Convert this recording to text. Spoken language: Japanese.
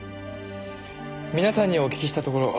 皆さんにお聞きしたところ。